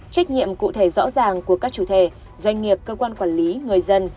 trách nhiệm cụ thể rõ ràng của các chủ thể doanh nghiệp cơ quan quản lý người dân